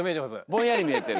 ぼんやり見えてる？